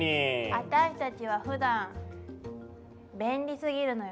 あたしたちはふだん便利すぎるのよ。